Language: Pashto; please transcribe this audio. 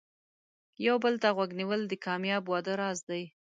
یو بل ته غوږ نیول د کامیاب واده راز دی.